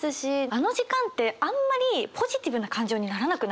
あの時間ってあんまりポジティブな感情にならなくないですか？